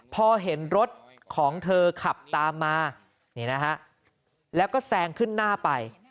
พอเห็นรถของเธอขับตามมานี่นะฮะแล้วก็แซงขึ้นหน้าไป